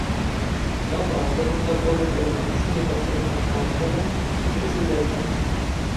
На практыцы законы прымаліся непасрэдна канцлерам і прэзідэнтам.